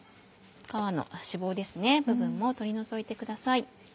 皮の脂肪部分も取り除いてください。